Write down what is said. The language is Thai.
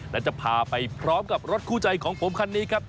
และจะพาไปพร้อมกับรถคู่ใจของผมคันนี้ครับ